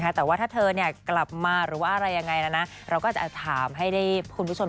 แล้วดูข่าวตามทีวีตอนที่พี่เขาบอกเขามีลูก